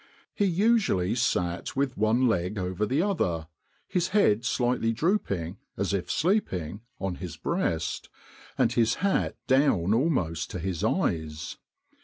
He usually sat with one leg over the other, his head slightly drooping, as if sleeping, on his breast, and his hat down almost to his eyes.